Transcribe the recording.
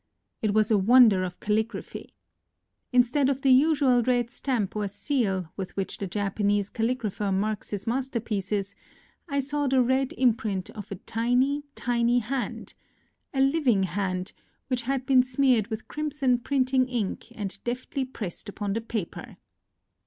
It was a wonder of calligraphy. In stead of the usual red stamp or seal with which the Japanese calligrapher marks his masterpieces, I saw the red imprint of a tiny, tiny hand, — a living hand, which had been smeared with crimson printing ink and deftly pressed upon the paper.